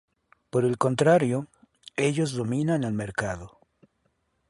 Por el contrario, ellos dominan el mercado.